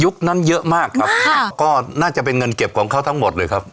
นั้นเยอะมากครับค่ะก็น่าจะเป็นเงินเก็บของเขาทั้งหมดเลยครับ